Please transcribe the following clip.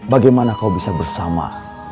bagaimana kau bisa bersama